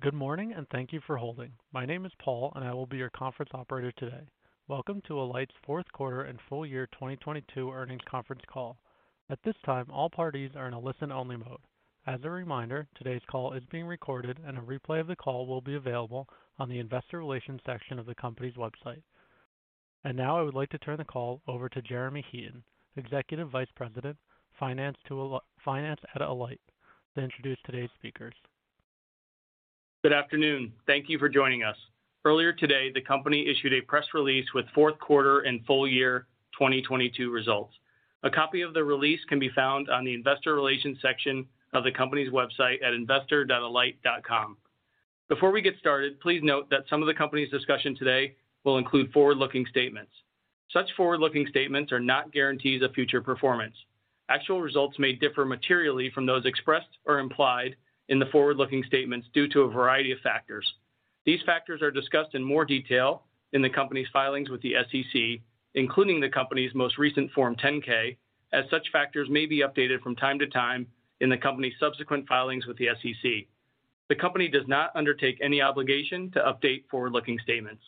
Good morning. Thank you for holding. My name is Paul. I will be your conference operator today. Welcome to Alight's fourth quarter and full year 2022 earnings conference call. At this time, all parties are in a listen-only mode. As a reminder, today's call is being recorded. A replay of the call will be available on the investor relations section of the company's website. Now I would like to turn the call over to Jeremy Heaton, Executive Vice President, Finance at Alight, to introduce today's speakers. Good afternoon. Thank you for joining us. Earlier today, the company issued a press release with fourth quarter and full year 2022 results. A copy of the release can be found on the investor relations section of the company's website at investor.alight.com. Before we get started, please note that some of the company's discussion today will include forward-looking statements. Such forward-looking statements are not guarantees of future performance. Actual results may differ materially from those expressed or implied in the forward-looking statements due to a variety of factors. These factors are discussed in more detail in the company's filings with the SEC, including the company's most recent Form 10-K, as such factors may be updated from time to time in the company's subsequent filings with the SEC. The company does not undertake any obligation to update forward-looking statements.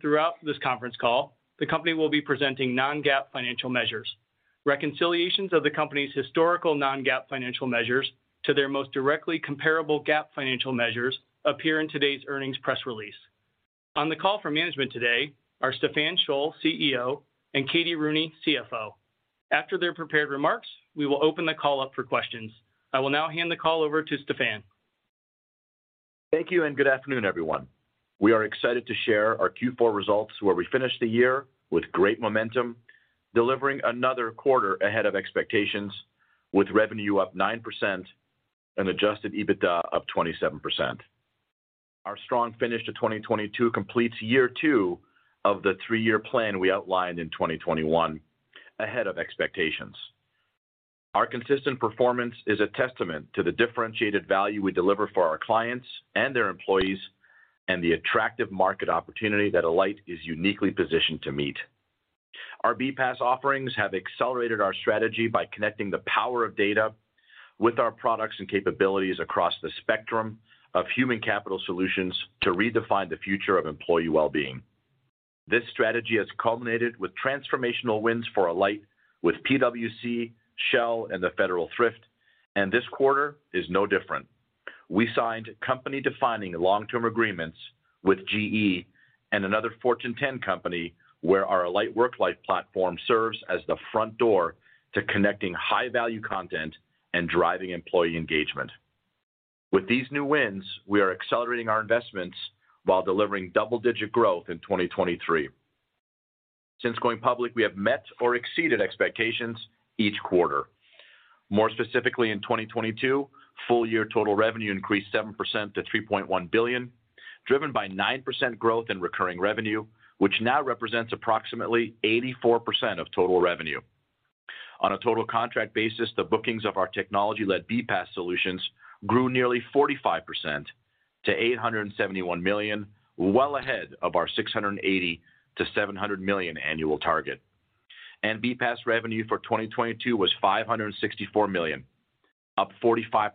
Throughout this conference call, the company will be presenting non-GAAP financial measures. Reconciliations of the company's historical non-GAAP financial measures to their most directly comparable GAAP financial measures appear in today's earnings press release. On the call for management today are Stephan Scholl, CEO, and Katie Rooney, CFO. After their prepared remarks, we will open the call up for questions. I will now hand the call over to Stephan. Thank you. Good afternoon, everyone. We are excited to share our Q4 results where we finished the year with great momentum, delivering another quarter ahead of expectations with revenue up 9% and Adjusted EBITDA up 27%. Our strong finish to 2022 completes year two of the three-year plan we outlined in 2021, ahead of expectations. Our consistent performance is a testament to the differentiated value we deliver for our clients and their employees and the attractive market opportunity that Alight is uniquely positioned to meet. Our BPaaS offerings have accelerated our strategy by connecting the power of data with our products and capabilities across the spectrum of human capital solutions to redefine the future of employee well-being. This strategy has culminated with transformational wins for Alight with PwC, Shell, and the Federal Thrift. This quarter is no different. We signed company-defining long-term agreements with GE and another Fortune 10 company where our Alight Worklife platform serves as the front door to connecting high-value content and driving employee engagement. With these new wins, we are accelerating our investments while delivering double-digit growth in 2023. Since going public, we have met or exceeded expectations each quarter. More specifically, in 2022, full-year total revenue increased 7% to $3.1 billion, driven by 9% growth in recurring revenue, which now represents approximately 84% of total revenue. On a total contract basis, the bookings of our technology-led BPaaS solutions grew nearly 45% to $871 million, well ahead of our $680 million-$700 million annual target. BPaaS revenue for 2022 was $564 million, up 45%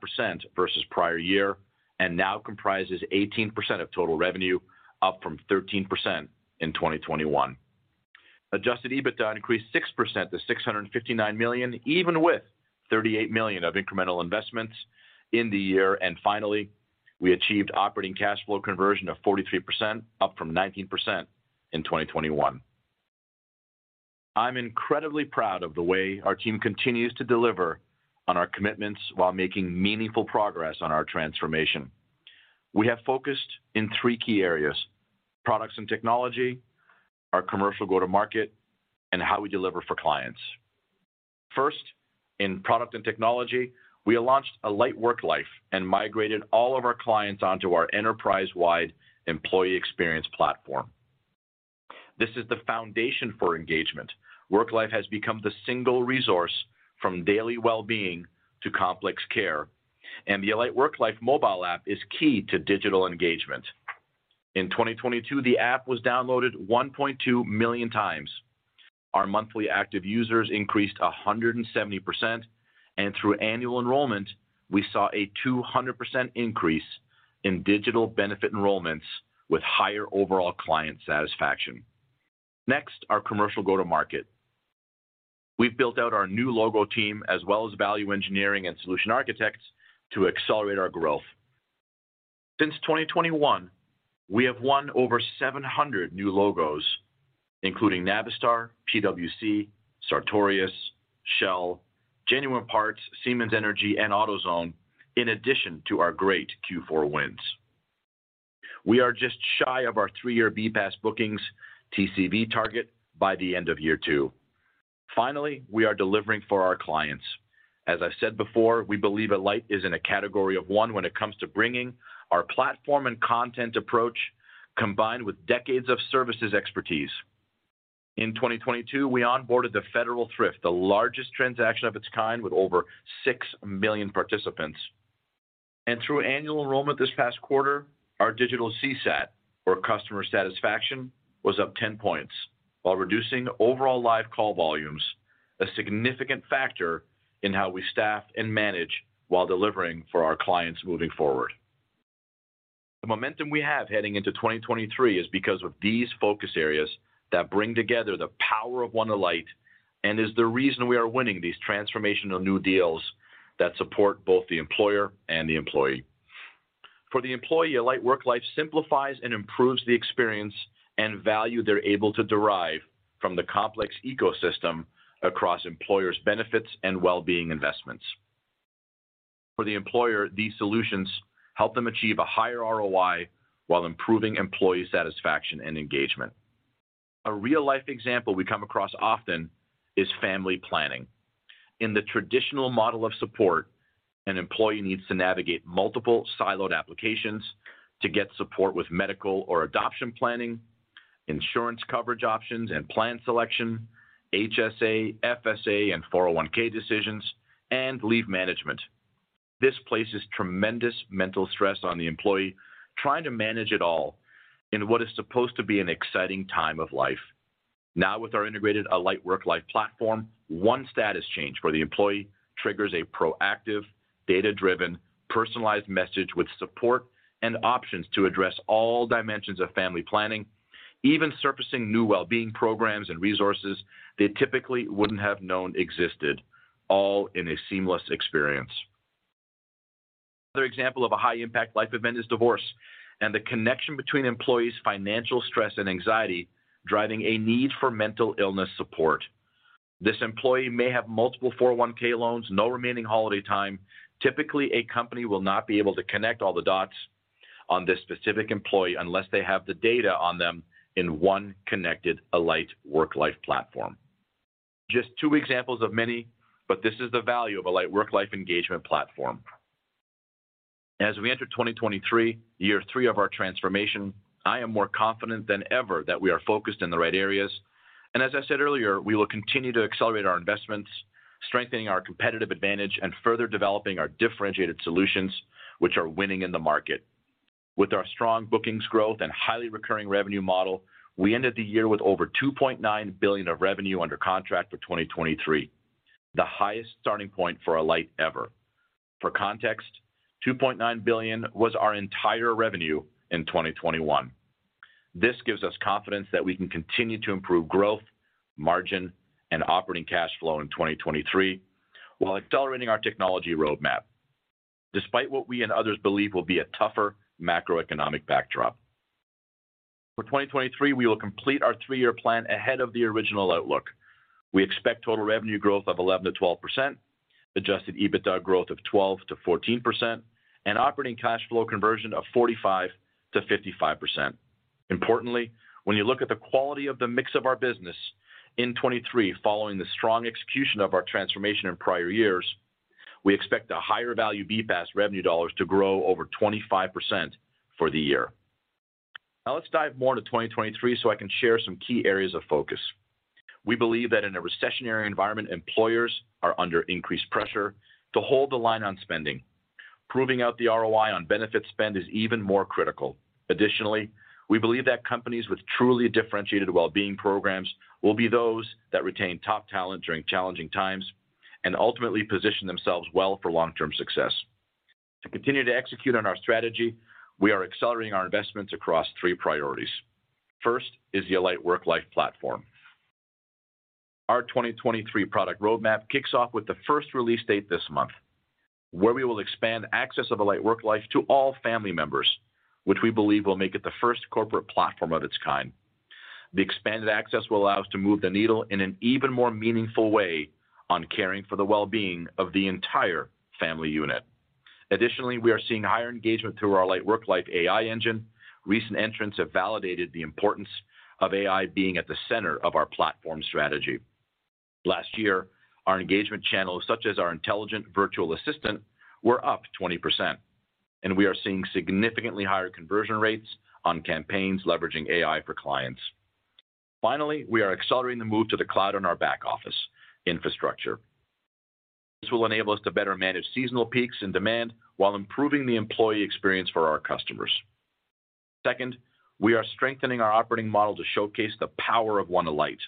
versus prior year, and now comprises 18% of total revenue, up from 13% in 2021. Adjusted EBITDA increased 6% to $659 million, even with $38 million of incremental investments in the year. Finally, we achieved Operating Cash Flow conversion of 43%, up from 19% in 2021. I'm incredibly proud of the way our team continues to deliver on our commitments while making meaningful progress on our transformation. We have focused in three key areas: products and technology, our commercial go-to-market, and how we deliver for clients. First, in product and technology, we launched Alight Worklife and migrated all of our clients onto our enterprise-wide employee experience platform. This is the foundation for engagement. Worklife has become the single resource from daily well-being to complex care, and the Alight Worklife mobile app is key to digital engagement. In 2022, the app was downloaded 1.2 million times. Our monthly active users increased 170%, and through annual enrollment, we saw a 200% increase in digital benefit enrollments with higher overall client satisfaction. Our commercial go-to-market. We've built out our new logo team as well as value engineering and solution architects to accelerate our growth. Since 2021, we have won over 700 new logos, including Navistar, PwC, Sartorius, Shell, Genuine Parts, Siemens Energy, and AutoZone, in addition to our great Q4 wins. We are just shy of our 3-year BPaaS bookings TCV target by the end of year two. We are delivering for our clients. As I said before, we believe Alight is in a category of 1 when it comes to bringing our platform and content approach combined with decades of services expertise. In 2022, we onboarded the Federal Thrift, the largest transaction of its kind with over 6 million participants. Through annual enrollment this past quarter, our digital CSAT or customer satisfaction was up 10 points while reducing overall live call volumes. A significant factor in how we staff and manage while delivering for our clients moving forward. The momentum we have heading into 2023 is because of these focus areas that bring together the power of Alight and is the reason we are winning these transformational new deals that support both the employer and the employee. For the employee, Alight Worklife simplifies and improves the experience and value they're able to derive from the complex ecosystem across employers' benefits and well-being investments. For the employer, these solutions help them achieve a higher ROI while improving employee satisfaction and engagement. A real-life example we come across often is family planning. In the traditional model of support, an employee needs to navigate multiple siloed applications to get support with medical or adoption planning, insurance coverage options and plan selection, HSA, FSA, and 401(k) decisions, and leave management. This places tremendous mental stress on the employee trying to manage it all in what is supposed to be an exciting time of life. With our integrated Alight Worklife platform, one status change for the employee triggers a proactive, data-driven, personalized message with support and options to address all dimensions of family planning, even surfacing new well-being programs and resources they typically wouldn't have known existed, all in a seamless experience. Another example of a high impact life event is divorce and the connection between employees' financial stress and anxiety driving a need for mental illness support. This employee may have multiple 401(k) loans, no remaining holiday time. Typically, a company will not be able to connect all the dots on this specific employee unless they have the data on them in one connected Alight Worklife platform. Just two examples of many, this is the value of Alight Worklife engagement platform. As we enter 2023, year three of our transformation, I am more confident than ever that we are focused in the right areas. As I said earlier, we will continue to accelerate our investments, strengthening our competitive advantage, and further developing our differentiated solutions, which are winning in the market. With our strong bookings growth and highly recurring revenue model, we ended the year with over $2.9 billion of revenue under contract for 2023, the highest starting point for Alight ever. For context, $2.9 billion was our entire revenue in 2021. This gives us confidence that we can continue to improve growth, margin, and Operating Cash Flow in 2023 while accelerating our technology roadmap despite what we and others believe will be a tougher macroeconomic backdrop. For 2023, we will complete our three-year plan ahead of the original outlook. We expect total revenue growth of 11%-12%, Adjusted EBITDA growth of 12%-14%, and Operating Cash Flow conversion of 45%-55%. Importantly, when you look at the quality of the mix of our business in 2023 following the strong execution of our transformation in prior years, we expect the higher value BPaaS revenue dollars to grow over 25% for the year. Let's dive more into 2023 so I can share some key areas of focus. We believe that in a recessionary environment, employers are under increased pressure to hold the line on spending. Proving out the ROI on benefits spend is even more critical. We believe that companies with truly differentiated well-being programs will be those that retain top talent during challenging times and ultimately position themselves well for long-term success. To continue to execute on our strategy, we are accelerating our investments across three priorities. First is the Alight Worklife platform. Our 2023 product roadmap kicks off with the first release date this month, where we will expand access of Alight Worklife to all family members, which we believe will make it the first corporate platform of its kind. The expanded access will allow us to move the needle in an even more meaningful way on caring for the well-being of the entire family unit. Additionally, we are seeing higher engagement through our Alight Worklife AI engine. Recent entrants have validated the importance of AI being at the center of our platform strategy. Last year, our engagement channels, such as our intelligent virtual assistant, were up 20%, and we are seeing significantly higher conversion rates on campaigns leveraging AI for clients. Finally, we are accelerating the move to the cloud on our back office infrastructure. This will enable us to better manage seasonal peaks and demand while improving the employee experience for our customers. Second, we are strengthening our operating model to showcase the power of One Alight.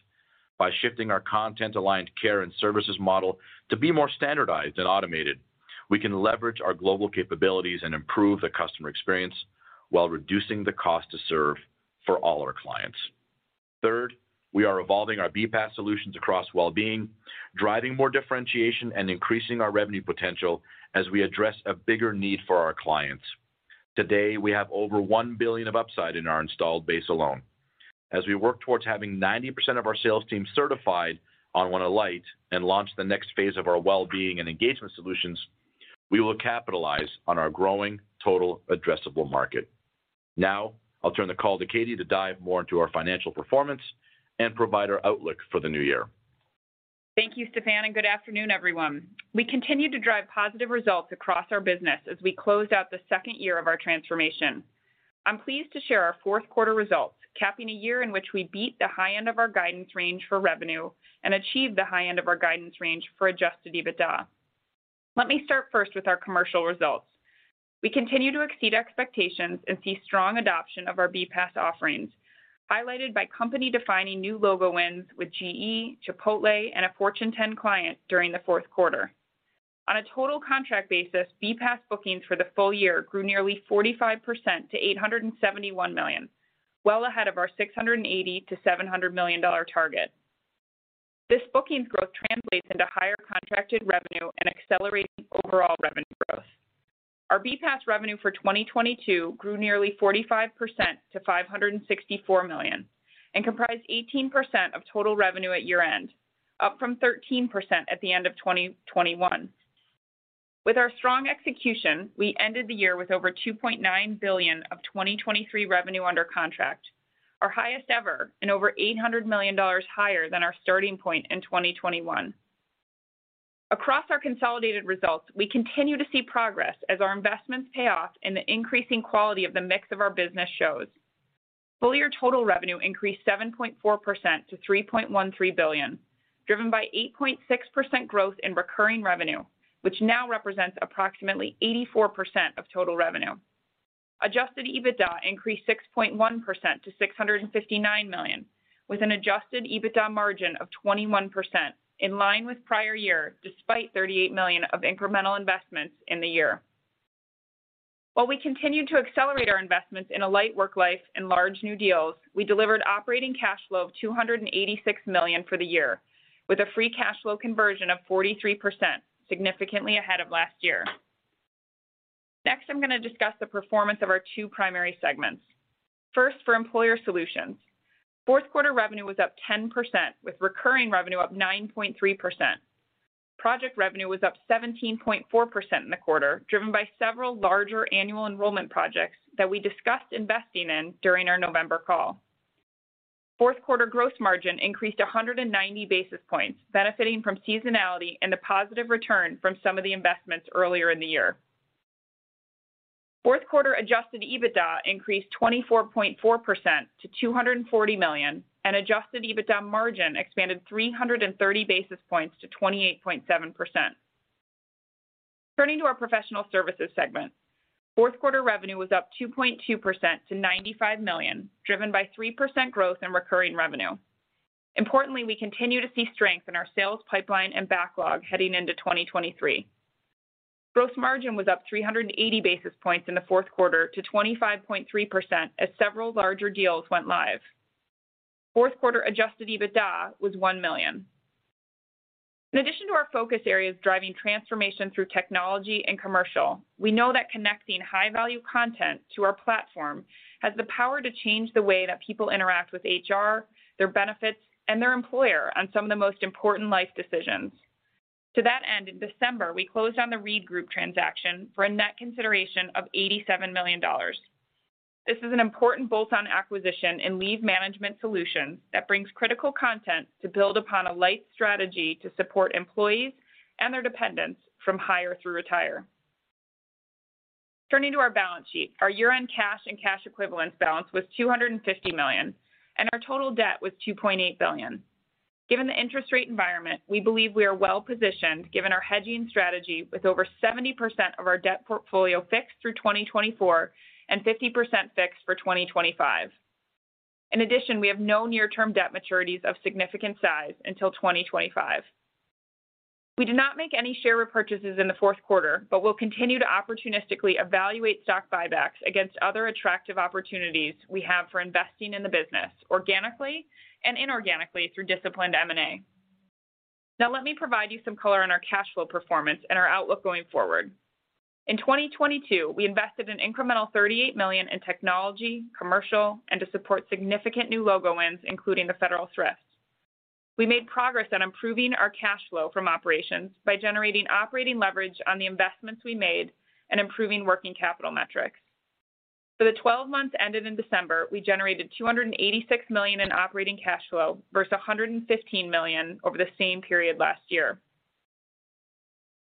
By shifting our content aligned care and services model to be more standardized and automated, we can leverage our global capabilities and improve the customer experience while reducing the cost to serve for all our clients. Third, we are evolving our BPaaS solutions across well-being, driving more differentiation and increasing our revenue potential as we address a bigger need for our clients. Today, we have over $1 billion of upside in our installed base alone. As we work towards having 90% of our sales team certified on One Alight and launch the next phase of our well-being and engagement solutions, we will capitalize on our growing total addressable market. I'll turn the call to Katie to dive more into our financial performance and provide our outlook for the new year. Thank you, Stephan, good afternoon, everyone. We continue to drive positive results across our business as we closed out the second year of our transformation. I'm pleased to share our fourth quarter results, capping a year in which we beat the high end of our guidance range for revenue and achieved the high end of our guidance range for Adjusted EBITDA. Let me start first with our commercial results. We continue to exceed expectations and see strong adoption of our BPaaS offerings, highlighted by company defining new logo wins with GE, Chipotle, and a Fortune 10 client during the fourth quarter. On a total contract basis, BPaaS bookings for the full year grew nearly 45% to $871 million, well ahead of our $680 million-$700 million target. This bookings growth translates into higher contracted revenue and accelerating overall revenue growth. Our BPaaS revenue for 2022 grew nearly 45% to $564 million and comprised 18% of total revenue at year-end, up from 13% at the end of 2021. With our strong execution, we ended the year with over $2.9 billion of 2023 revenue under contract, our highest ever and over $800 million higher than our starting point in 2021. Across our consolidated results, we continue to see progress as our investments pay off and the increasing quality of the mix of our business shows. Full year total revenue increased 7.4% to $3.13 billion, driven by 8.6% growth in recurring revenue, which now represents approximately 84% of total revenue. Adjusted EBITDA increased 6.1% to $659 million, with an Adjusted EBITDA margin of 21%, in line with prior year despite $38 million of incremental investments in the year. While we continued to accelerate our investments in Alight Worklife and large new deals, we delivered Operating Cash Flow of $286 million for the year, with a free cash flow conversion of 43%, significantly ahead of last year. Next, I'm going to discuss the performance of our two primary segments. First, for Employer Solutions. Fourth quarter revenue was up 10% with recurring revenue up 9.3%. Project revenue was up 17.4% in the quarter, driven by several larger annual enrollment projects that we discussed investing in during our November call. Fourth quarter gross margin increased 190 basis points, benefiting from seasonality and the positive return from some of the investments earlier in the year. Fourth quarter Adjusted EBITDA increased 24.4% to $240 million, and Adjusted EBITDA margin expanded 330 basis points to 28.7%. Turning to our Professional Services segment, fourth quarter revenue was up 2.2% to $95 million, driven by 3% growth in recurring revenue. Importantly, we continue to see strength in our sales pipeline and backlog heading into 2023. Gross margin was up 380 basis points in the fourth quarter to 25.3% as several larger deals went live. Fourth quarter Adjusted EBITDA was $1 million. In addition to our focus areas driving transformation through technology and commercial, we know that connecting high-value content to our platform has the power to change the way that people interact with HR, their benefits, and their employer on some of the most important life decisions. To that end, in December, we closed on the ReedGroup transaction for a net consideration of $87 million. This is an important bolt-on acquisition in leave management solutions that brings critical content to build upon Alight's strategy to support employees and their dependents from hire through retire. Turning to our balance sheet, our year-end cash and cash equivalents balance was $250 million, and our total debt was $2.8 billion. Given the interest rate environment, we believe we are well positioned given our hedging strategy with over 70% of our debt portfolio fixed through 2024 and 50% fixed for 2025. In addition, we have no near term debt maturities of significant size until 2025. We did not make any share repurchases in the 4th quarter, but will continue to opportunistically evaluate stock buybacks against other attractive opportunities we have for investing in the business organically and inorganically through disciplined M&A. Let me provide you some color on our cash flow performance and our outlook going forward. In 2022, we invested an incremental $38 million in technology, commercial, and to support significant new logo wins, including the Federal Thrift. We made progress on improving our cash flow from operations by generating operating leverage on the investments we made and improving working capital metrics. For the 12 months ended in December, we generated $286 million in Operating Cash Flow versus $115 million over the same period last year.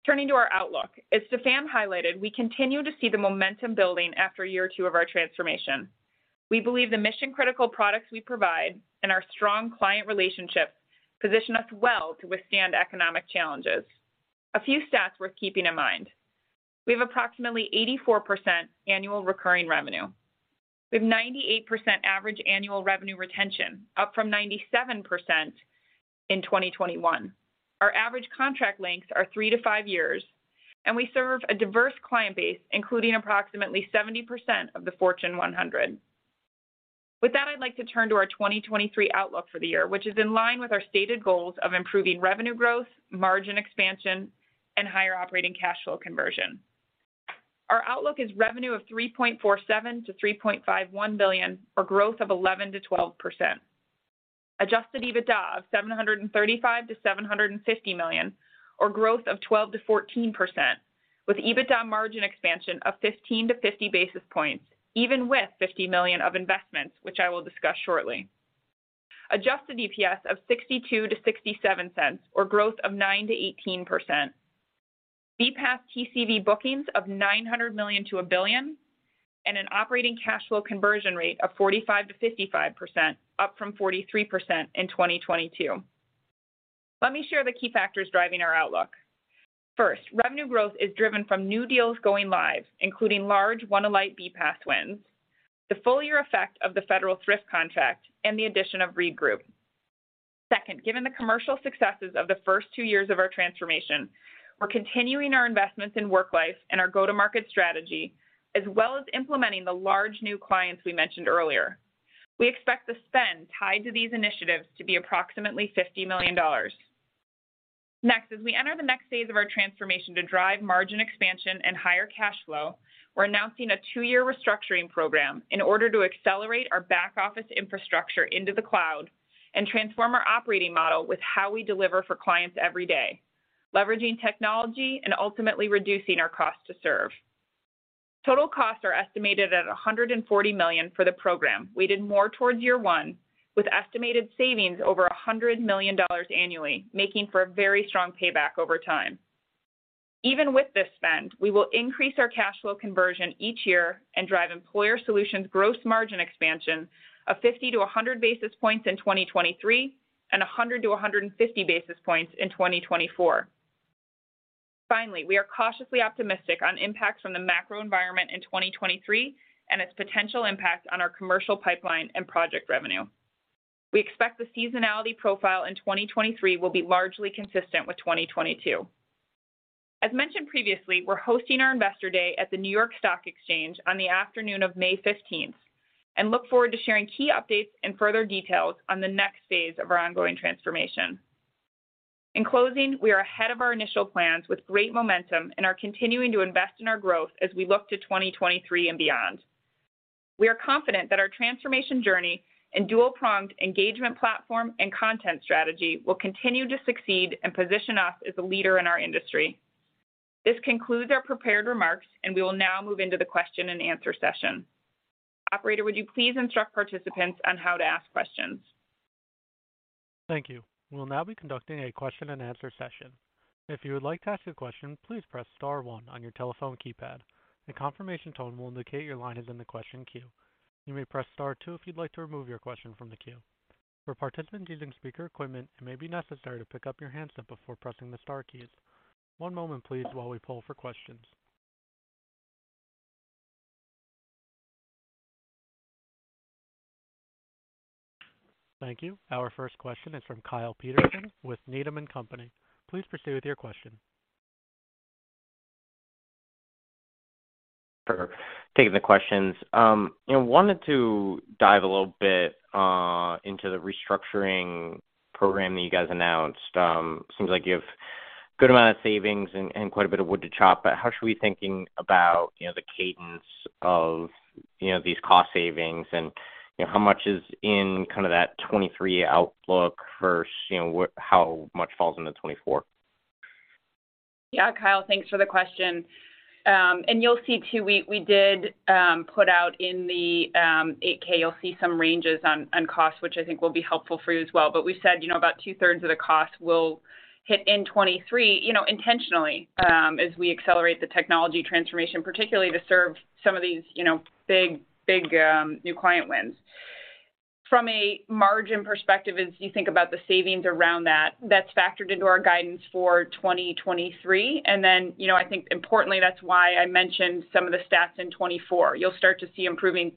Turning to our outlook, as Stephan highlighted, we continue to see the momentum building after year two of our transformation. We believe the mission-critical products we provide and our strong client relationships position us well to withstand economic challenges. A few stats worth keeping in mind. We have approximately 84% annual recurring revenue. We have 98% average annual revenue retention, up from 97% in 2021. Our average contract lengths are 3-5 years, and we serve a diverse client base, including approximately 70% of the Fortune 100. With that, I'd like to turn to our 2023 outlook for the year, which is in line with our stated goals of improving revenue growth, margin expansion, higher Operating Cash Flow conversion. Our outlook is revenue of $3.47 billion-$3.51 billion or growth of 11%-12%. Adjusted EBITDA of $735 million-$750 million, or growth of 12%-14% with EBITDA margin expansion of 15-50 basis points, even with $50 million of investments, which I will discuss shortly. Adjusted EPS of $0.62-$0.67 or growth of 9%-18%. BPaaS TCV bookings of $900 million-$1 billion. An Operating Cash Flow conversion rate of 45%-55%, up from 43% in 2022. Let me share the key factors driving our outlook. First, revenue growth is driven from new deals going live, including large Alight BPaaS wins. The full year effect of the Federal Thrift contract and the addition of ReedGroup. Second, given the commercial successes of the first 2 years of our transformation, we're continuing our investments in Worklife and our go-to-market strategy, as well as implementing the large new clients we mentioned earlier. We expect the spend tied to these initiatives to be approximately $50 million. As we enter the next phase of our transformation to drive margin expansion and higher cash flow, we're announcing a 2-year restructuring program in order to accelerate our back-office infrastructure into the cloud and transform our operating model with how we deliver for clients every day, leveraging technology and ultimately reducing our cost to serve. Total costs are estimated at $140 million for the program. We did more towards year one with estimated savings over $100 million annually, making for a very strong payback over time. Even with this spend, we will increase our cash flow conversion each year and drive Employer Solutions gross margin expansion of 50 to 100 basis points in 2023, and 100 to 150 basis points in 2024. Finally, we are cautiously optimistic on impacts from the macro environment in 2023 and its potential impact on our commercial pipeline and project revenue. We expect the seasonality profile in 2023 will be largely consistent with 2022. As mentioned previously, we're hosting our Investor Day at the New York Stock Exchange on the afternoon of May 15th and look forward to sharing key updates and further details on the next phase of our ongoing transformation. In closing, we are ahead of our initial plans with great momentum and are continuing to invest in our growth as we look to 2023 and beyond. We are confident that our transformation journey and dual-pronged engagement platform and content strategy will continue to succeed and position us as a leader in our industry. This concludes our prepared remarks, and we will now move into the question and answer session. Operator, would you please instruct participants on how to ask questions? Thank you. We'll now be conducting a question and answer session. If you would like to ask a question, please press star one on your telephone keypad. A confirmation tone will indicate your line is in the question queue. You may press star two if you'd like to remove your question from the queue. For participants using speaker equipment, it may be necessary to pick up your handset before pressing the star keys. One moment please while we poll for questions. Thank you. Our first question is from Kyle Peterson with Needham & Company. Please proceed with your question. Thanks for taking the questions. You know, wanted to dive a little bit into the restructuring program that you guys announced. Seems like you have good amount of savings and quite a bit of wood to chop. How should we be thinking about the cadence of these cost savings and how much is in that 23 outlook versus how much falls into 24? Yeah. Kyle, thanks for the question. You'll see too, we did put out in the 8-K, you'll see some ranges on costs, which I think will be helpful for you as well. We said about two-thirds of the cost will hit in 2023, intentionally, as we accelerate the technology transformation, particularly to serve some of these big new client wins. From a margin perspective, as you think about the savings around that's factored into our guidance for 2023. I think importantly, that's why I mentioned some of the stats in 2024. You'll start to see improving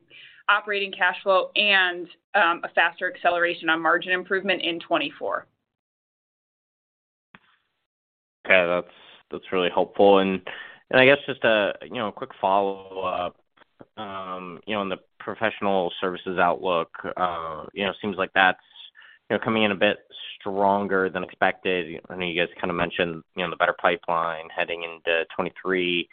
Operating Cash Flow and a faster acceleration on margin improvement in 2024. Okay. That's really helpful. And just a quick follow-up in the Professional Services outlook seems like that's coming in a bit stronger than expected. I know you guys kinda mentioned the better pipeline heading into 2023.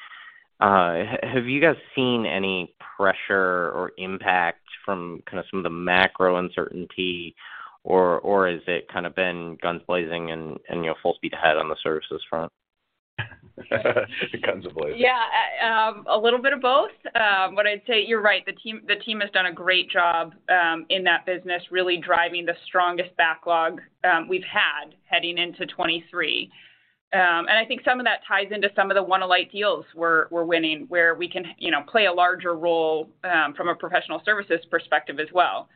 Have you guys seen any pressure or impact from kinda some of the macro uncertainty or has it kinda been guns blazing and full speed ahead on the services front? Guns blazing. Yeah. A little bit of both. I'd say you're right, the team has done a great job in that business, really driving the strongest backlog we've had heading into 2023. I think some of that ties into some of the One Alight deals we're winning, where we can play a larger role from a Professional Services perspective as well.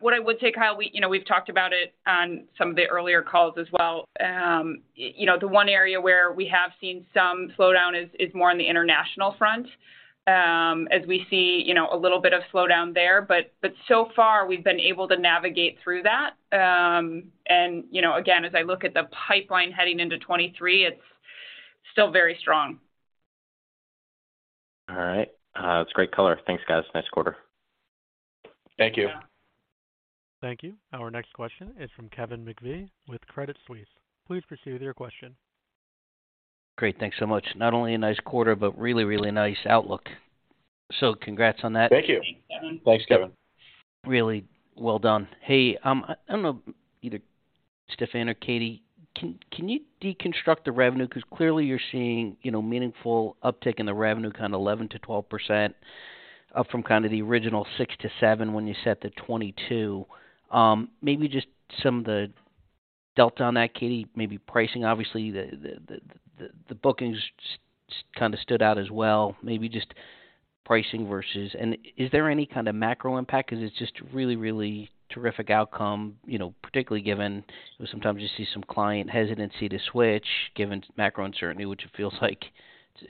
What I would say, Kyle, we've talked about it on some of the earlier calls as well. The one area where we have seen some slowdown is more on the international front, as we see a little bit of slowdown there. So far, we've been able to navigate through that. Again, as I look at the pipeline heading into 2023, it's still very strong. All right. That's great color. Thanks, guys. Nice quarter. Thank you. Yeah. Thank you. Our next question is from Kevin McVeigh with Credit Suisse. Please proceed with your question. Great. Thanks so much. Not only a nice quarter, but really, really nice outlook. Congrats on that. Thank you. Thanks, Kevin. Really well done. Hey, I don't know, either Stephan or Katie, can you deconstruct the revenue? Clearly you're seeing meaningful uptick in the revenue, 11%-12% up from the original 6%-7% when you set the 2022. Maybe just some of the detail on that, Katie, maybe pricing obviously the bookings stood out as well, maybe just pricing versus. Is there any macro impact? It's just really, really terrific outcome particularly given sometimes you see some client hesitancy to switch given macro uncertainty, which it feels like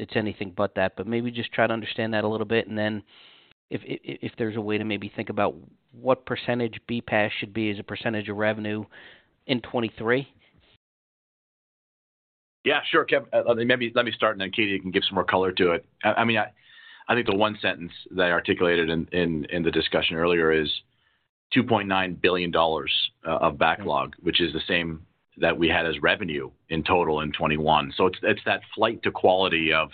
it's anything but that. Maybe just try to understand that a little bit. If there's a way to maybe think about what % BPaaS should be as a % of revenue in 2023. Yeah, sure, Kevin. Maybe let me start and then Katie can give some more color to it. I think the one sentence that I articulated in the discussion earlier is $2.9 billion of backlog, which is the same that we had as revenue in total in 2021. It's that flight to quality of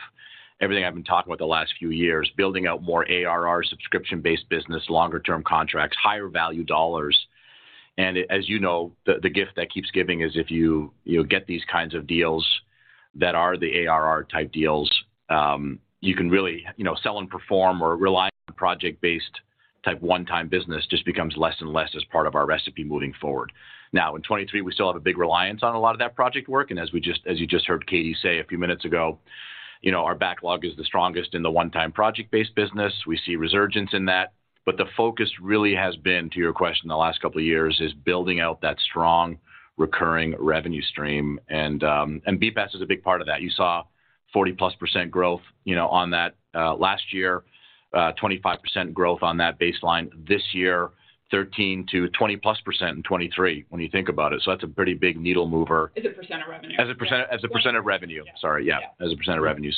everything I've been talking about the last few years, building out more ARR subscription-based business, longer term contracts, higher value dollars. As you know, the gift that keeps giving is if you get these kinds of deals that are the ARR type deals, you can really sell and perform or rely on project-based type one-time business just becomes less and less as part of our recipe moving forward. In 2023, we still have a big reliance on a lot of that project work, as you just heard Katie say a few minutes ago our backlog is the strongest in the one-time project-based business. We see resurgence in that. The focus really has been, to your question the last couple of years, is building out that strong recurring revenue stream. BPaaS is a big part of that. You saw 40+% growth on that last year, 25% growth on that baseline this year, 13%-20+% in 2023 when you think about it. That's a pretty big needle mover. As a % of revenue. As a % of revenue. Yeah. Sorry. Yeah. Yeah. As a % of revenue.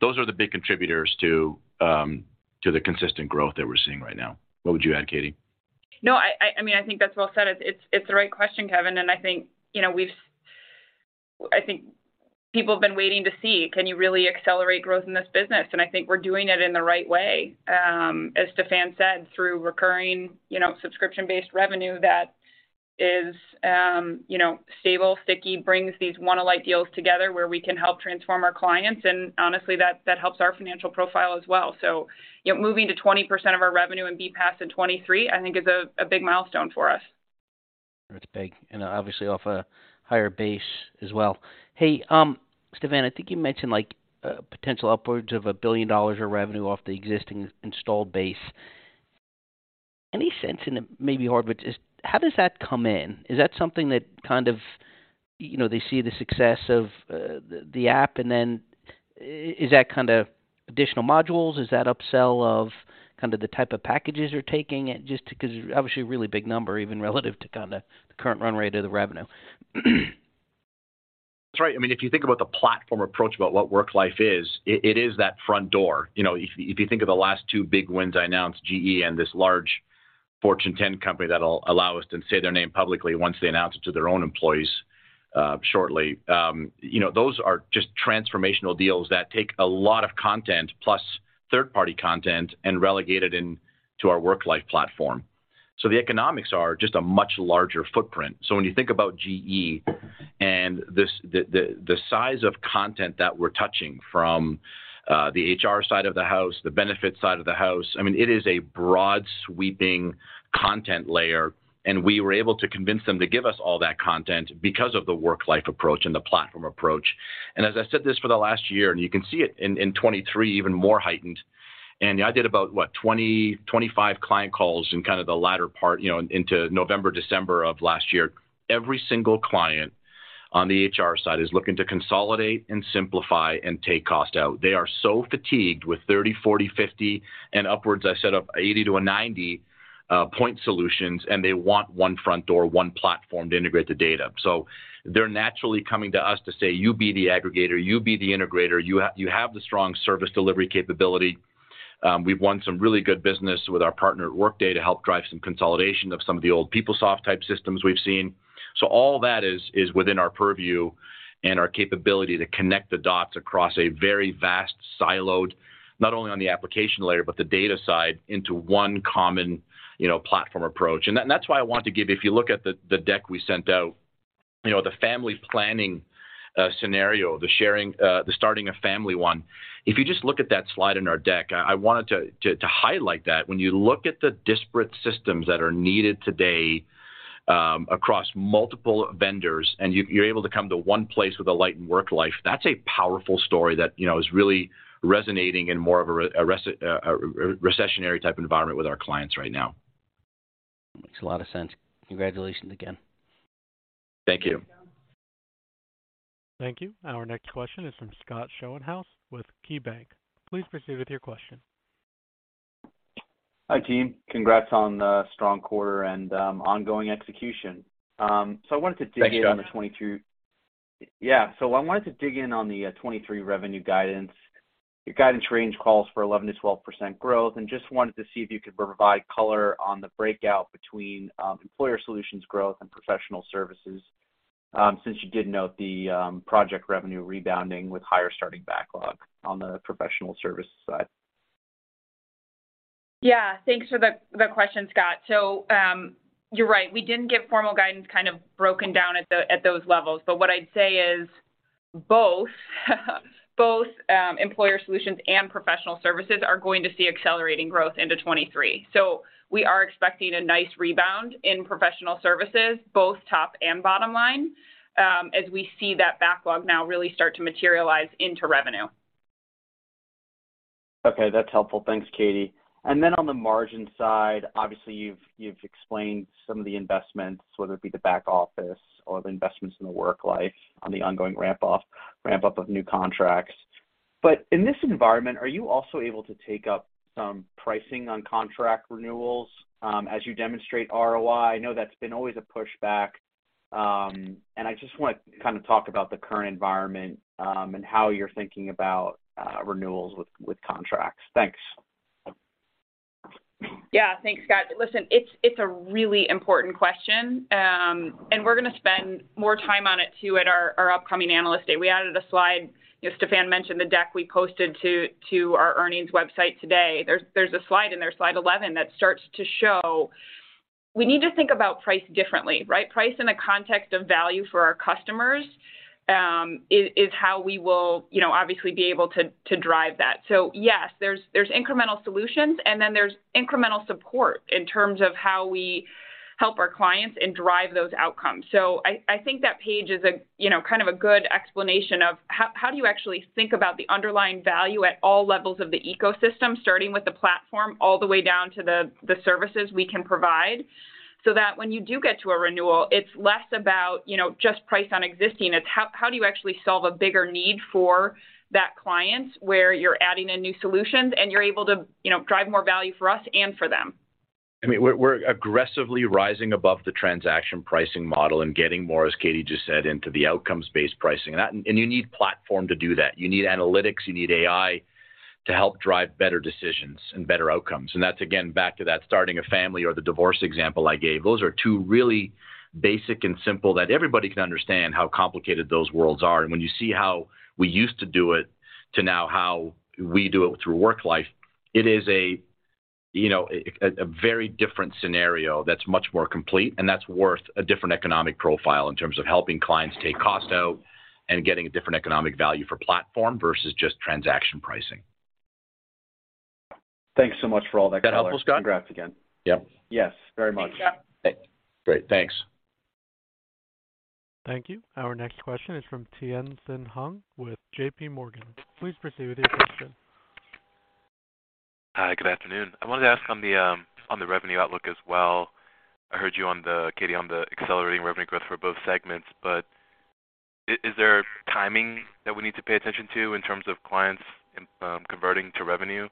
Those are the big contributors to the consistent growth that we're seeing right now. What would you add, Katie? No, I think that's well said. It's the right question, Kevin. I think, people have been waiting to see, can you really accelerate growth in this business? I think we're doing it in the right way, as Stephan said, through recurring subscription-based revenue that is stable, sticky, brings these One Alight deals together where we can help transform our clients, honestly, that helps our financial profile as well. You know, moving to 20% of our revenue in BPaaS in 23, I think is a big milestone for us. It's big, and obviously off a higher base as well. Hey, Stephan, I think you mentioned like potential upwards of $1 billion of revenue off the existing installed base. Any sense, and it may be hard, but just how does that come in? Is that something that they see the success of the app, and then is that kind of additional modules? Is that upsell of the type of packages you're taking it? Just 'cause obviously a really big number even relative to kinda the current run rate of the revenue. That's right. If you think about the platform approach about what Worklife is, it is that front door. If you think of the last two big wins I announced, GE and this large Fortune 10 company that'll allow us to say their name publicly once they announce it to their own employees, shortly. Those are just transformational deals that take a lot of content plus third-party content and relegate it into our Worklife platform. The economics are just a much larger footprint. When you think about GE and this the size of content that we're touching from the HR side of the house, the benefits side of the house, it is a broad, sweeping content layer. We were able to convince them to give us all that content because of the Worklife approach and the platform approach. As I said this for the last year, and you can see it in 2023 even more heightened. I did about, what? 20-25 client calls in the latter part into November, December of last year. Every single client on the HR side is looking to consolidate and simplify and take cost out. They are so fatigued with 30, 40, 50 and upwards, I said of 80 to 90 point solutions. They want 1 front door, 1 platform to integrate the data. They're naturally coming to us to say, "You be the aggregator, you be the integrator. You have the strong service delivery capability." We've won some really good business with our partner, Workday, to help drive some consolidation of some of the old PeopleSoft type systems we've seen. All that is within our purview and our capability to connect the dots across a very vast siloed, not only on the application layer, but the data side into one common platform approach. That's why I want to give you, if you look at the deck we sent out the family planning scenario, the starting a family one. If you just look at that slide in our deck, I wanted to highlight that when you look at the disparate systems that are needed today, across multiple vendors, and you're able to come to one place with Alight Worklife, that's a powerful story that is really resonating in more of a recessionary type environment with our clients right now. Makes a lot of sense. Congratulations again. Thank you. Thank you. Thank you. Our next question is from Scott Schoenhaus with KeyBank. Please proceed with your question. Hi, team. Congrats on the strong quarter and ongoing execution. I wanted to. Thanks, Scott. On the 22. Yeah. I wanted to dig in on the 23 revenue guidance. Your guidance range calls for 11%-12% growth, and just wanted to see if you could provide color on the breakout between Employer Solutions growth and Professional Services since you did note the project revenue rebounding with higher starting backlog on the Professional Services side. Thanks for the question, Scott. You're right. We didn't give formal guidance broken down at those levels. What I'd say is Both Employer Solutions and Professional Services are going to see accelerating growth into 2023. We are expecting a nice rebound in Professional Services, both top and bottom line, as we see that backlog now really start to materialize into revenue. Okay, that's helpful. Thanks, Katie. Then on the margin side, obviously, you've explained some of the investments, whether it be the back office or the investments in the Alight Worklife on the ongoing ramp up of new contracts. In this environment, are you also able to take up some pricing on contract renewals, as you demonstrate ROI? I know that's been always a pushback, and I just want to talk about the current environment, and how you're thinking about, renewals with contracts. Thanks. Yeah. Thanks, Scott. Listen, it's a really important question. We're gonna spend more time on it too at our upcoming Analyst Day. We added a slide. Stephan mentioned the deck we posted to our earnings website today. There's a slide in there, slide 11, that starts to show we need to think about price differently. Price in the context of value for our customers is how we will, obviously be able to drive that. Yes, there's incremental solutions, and then there's incremental support in terms of how we help our clients and drive those outcomes. I think that page is a good explanation of how do you actually think about the underlying value at all levels of the ecosystem, starting with the platform all the way down to the services we can provide. When you do get to a renewal, it's less about just price on existing. It's how do you actually solve a bigger need for that client, where you're adding in new solutions and you're able to drive more value for us and for them. We're aggressively rising above the transaction pricing model and getting more, as Katie just said, into the outcomes-based pricing. You need platform to do that. You need analytics, you need AI to help drive better decisions and better outcomes. That's again back to that starting a family or the divorce example I gave. Those are two really basic and simple that everybody can understand how complicated those worlds are. When you see how we used to do it to now how we do it through Worklife, it is a very different scenario that's much more complete, and that's worth a different economic profile in terms of helping clients take cost out and getting a different economic value for platform versus just transaction pricing. Thanks so much for all that color. Is that helpful, Scott? congrats again. Yep. Yes, very much. Yeah. Great. Thanks. Thank you. Our next question is from Tien-Tsin Huang with J.P. Morgan. Please proceed with your question. Hi. Good afternoon. I wanted to ask on the on the revenue outlook as well. I heard you Katie, on the accelerating revenue growth for both segments, but is there timing that we need to pay attention to in terms of clients, converting to revenue?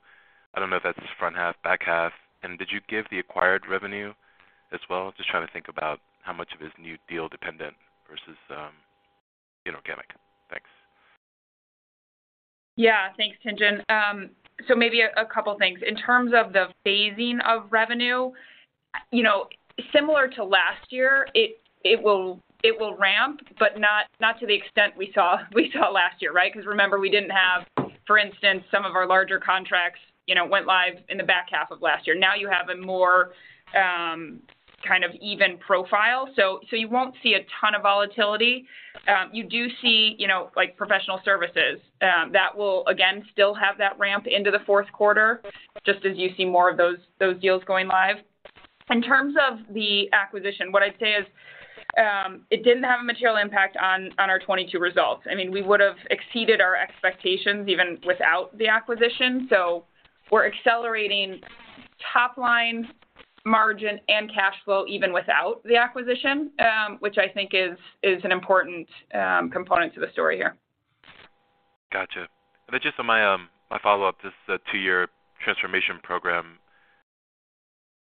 I don't know if that's front half, back half. Did you give the acquired revenue as well? Just trying to think about how much of it is new deal dependent versus organic. Thanks. Yeah. Thanks, Tien-Tsin. In terms of the phasing of revenue, similar to last year, it will ramp, but not to the extent we saw last year. Remember, we didn't have, for instance, some of our larger contracts went live in the back half of last year. Now you have a more even profile. You won't see a ton of volatility. You do see, like Professional Services, that will again still have that ramp into the fourth quarter, just as you see more of those deals going live. In terms of the acquisition, what I'd say is, it didn't have a material impact on our 22 results. We would've exceeded our expectations even without the acquisition. We're accelerating top line margin and cash flow even without the acquisition, which I think is an important component to the story here. Gotcha. Then just on my follow-up, just the two-year transformation program?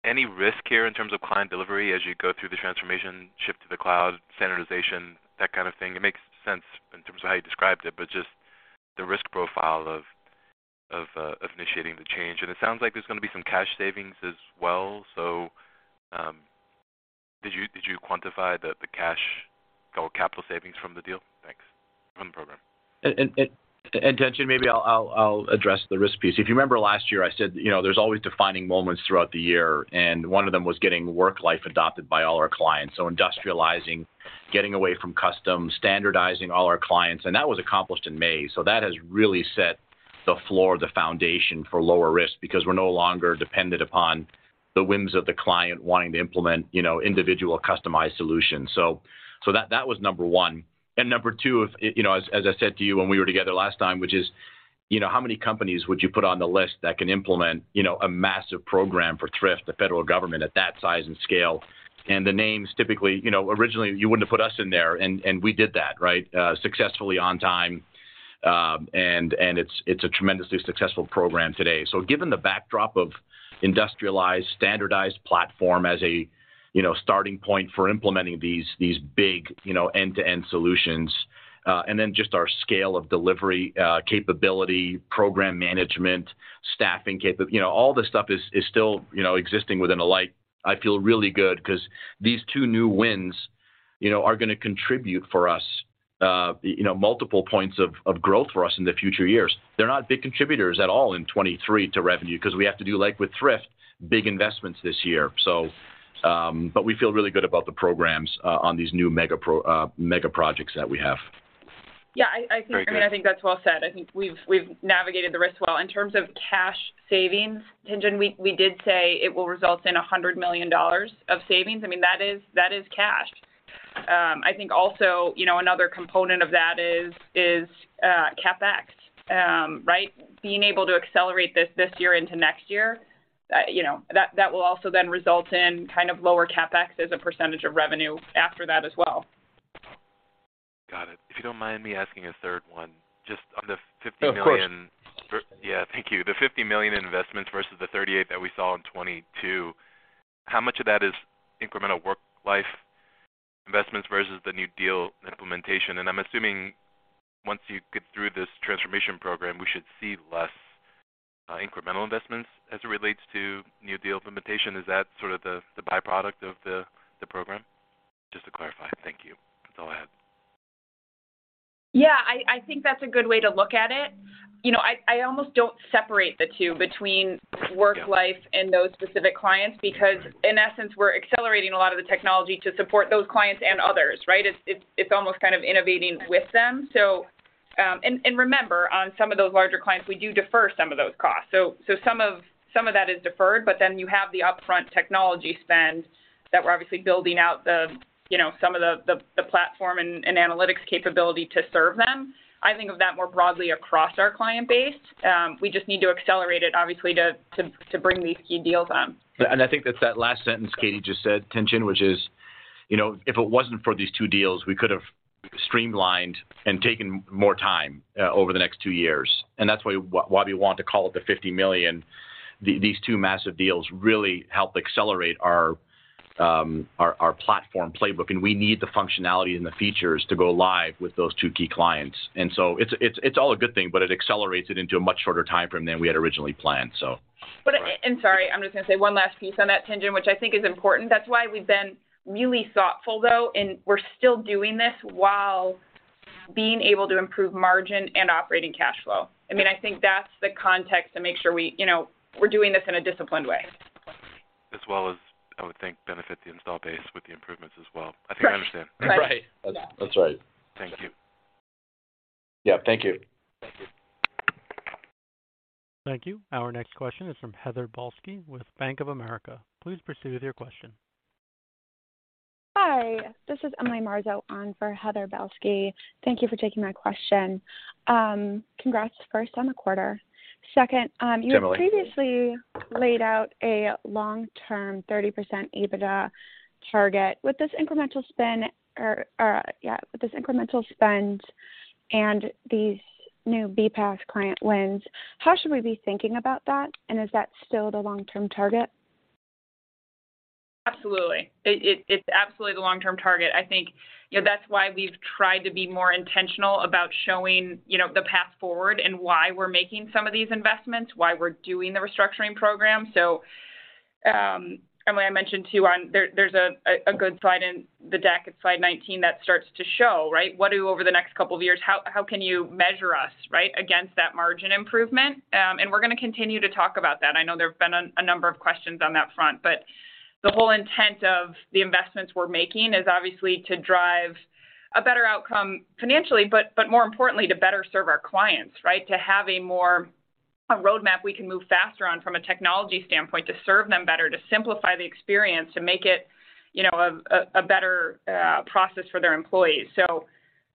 Any risk here in terms of client delivery as you go through the transformation, shift to the cloud, standardization, that kind of thing? It makes sense in terms of how you described it, but just the risk profile of initiating the change. It sounds like there's gonna be some cash savings as well. Did you quantify the cash or capital savings from the deal? Thanks. From the program. Tien-Tsin, maybe I'll address the risk piece. If you remember last year, I said there's always defining moments throughout the year, and one of them was getting Worklife adopted by all our clients. Industrializing, getting away from custom, standardizing all our clients, and that was accomplished in May. That has really set the floor, the foundation for lower risk because we're no longer dependent upon the whims of the client wanting to implement individual customized solutions. That was number one. Number two, as I said to you when we were together last time, which is how many companies would you put on the list that can implement a massive program for Thrift, the federal government at that size and scale? The names typically... Originally you wouldn't have put us in there, and we did that, successfully on time. and it's a tremendously successful program today. Given the backdrop of industrialized, standardized platform as a starting point for implementing these big end-to-end solutions, and then just our scale of delivery, capability, program management, staffing. All this stuff is still existing within Alight. I feel really good 'cause these two new wins are gonna contribute for us multiple points of growth for us in the future years. They're not big contributors at all in 23 to revenue 'cause we have to do, like with Thrift, big investments this year. We feel really good about the programs, on these new mega projects that we have. Yeah, I. Very good. I think that's well said. I think we've navigated the risk well. In terms of cash savings, Tien-Tsin, we did say it will result in $100 million of savings. I mean, that is cash. I think also another component of that is CapEx. Being able to accelerate this year into next year that will also then result in lower CapEx as a % of revenue after that as well. Got it. If you don't mind me asking a third one, just on the $50 million- No, of course. Yeah, thank you. The $50 million investments versus the $38 that we saw in 2022, how much of that is incremental Worklife investments versus the new deal implementation? I'm assuming once you get through this transformation program, we should see less incremental investments as it relates to new deal implementation. Is that the byproduct of the program? Just to clarify. Thank you. That's all I had. Yeah, I think that's a good way to look at it. I almost don't separate the two between Worklife and those specific clients because in essence, we're accelerating a lot of the technology to support those clients and others. It's almost innovating with them. Remember, on some of those larger clients, we do defer some of those costs. Some of that is deferred. You have the upfront technology spend that we're obviously building out the platform and analytics capability to serve them. I think of that more broadly across our client base. We just need to accelerate it obviously to bring these key deals on. I think that that last sentence Katie just said, Tien-Tsin, which is if it wasn't for these 2 deals, we could have streamlined and taken more time over the next 2 years. That's why we want to call it the $50 million. These 2 massive deals really help accelerate our platform playbook. We need the functionality and the features to go live with those 2 key clients. So it's all a good thing, but it accelerates it into a much shorter timeframe than we had originally planned, so. Sorry, I'm just gonna say one last piece on that, Tien-Tsin, which I think is important. That's why we've been really thoughtful, though, and we're still doing this while being able to improve margin and Operating Cash Flow. I think that's the context to make sure we're doing this in a disciplined way. As well as, I would think, benefit the install base with the improvements as well. Correct. I think I understand. Right. Yeah. That's right. Thank you. Yeah, thank you. Thank you. Thank you. Our next question is from Heather Balsky with Bank of America. Please proceed with your question. Hi, this is Emily Marzo on for Heather Balsky. Thank you for taking my question. Congrats first on the quarter. Second, Similarly... you previously laid out a long-term 30% EBITDA target. With this incremental spend and these new BPaaS client wins, how should we be thinking about that? Is that still the long-term target? Absolutely. It's absolutely the long-term target. I think, that's why we've tried to be more intentional about showing the path forward and why we're making some of these investments, why we're doing the restructuring program. Emily, I mentioned too. There's a good slide in the deck, it's slide 19, that starts to show over the next couple of years, how can you measure us against that margin improvement? We're gonna continue to talk about that. I know there have been a number of questions on that front, but the whole intent of the investments we're making is obviously to drive a better outcome financially, but more importantly, to better serve our clients. To have a roadmap we can move faster on from a technology standpoint to serve them better, to simplify the experience, to make it a better process for their employees.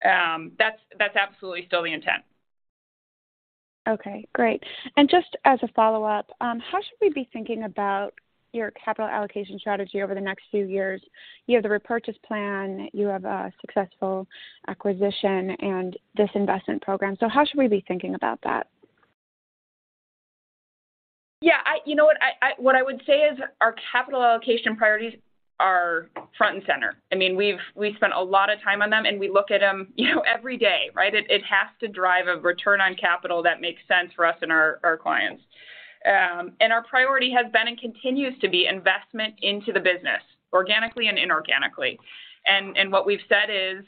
That's absolutely still the intent. Okay, great. Just as a follow-up, how should we be thinking about your capital allocation strategy over the next few years? You have the repurchase plan, you have a successful acquisition and this investment program. How should we be thinking about that? You know what? What I would say is our capital allocation priorities are front and center. We've spent a lot of time on them, and we look at them every day. It has to drive a return on capital that makes sense for us and our clients. Our priority has been and continues to be investment into the business, organically and inorganically. What we've said is,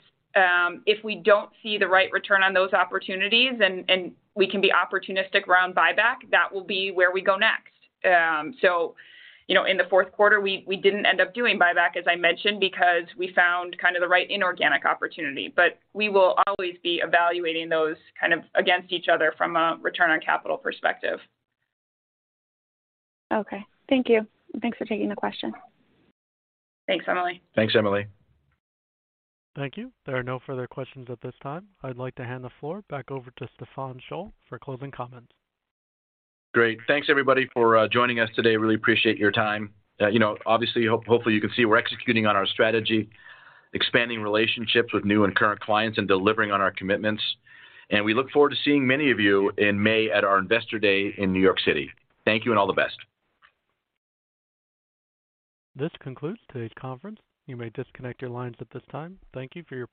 if we don't see the right return on those opportunities and we can be opportunistic around buyback, that will be where we go next. So, in the fourth quarter, we didn't end up doing buyback, as I mentioned, because we found the right inorganic opportunity. We will always be evaluating those against each other from a return on capital perspective. Okay. Thank you. Thanks for taking the question. Thanks, Emily. Thanks, Emily. Thank you. There are no further questions at this time. I'd like to hand the floor back over to Stephan Scholl for closing comments. Great. Thanks, everybody, for joining us today. Really appreciate your time. Obviously, hopefully you can see we're executing on our strategy, expanding relationships with new and current clients, and delivering on our commitments. We look forward to seeing many of you in May at our Investor Day in New York City. Thank you and all the best. This concludes today's conference. You may disconnect your lines at this time. Thank you for your participation.